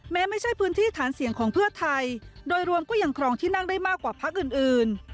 ไม่ใช่พื้นที่ฐานเสี่ยงของเพื่อไทยโดยรวมก็ยังครองที่นั่งได้มากกว่าพักอื่น